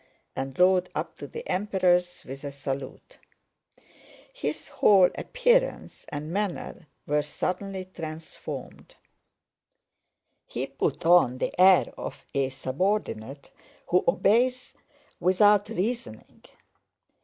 and rode up to the Emperors with a salute. His whole appearance and manner were suddenly transformed. He put on the air of a subordinate who obeys without reasoning.